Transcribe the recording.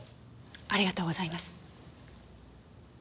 ありがとうございます。